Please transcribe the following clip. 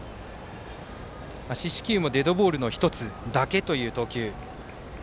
四死球もデッドボールの１つだけという投球。